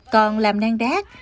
còn làm nang đát